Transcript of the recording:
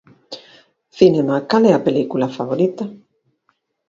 Cinema Cal é a película favorita?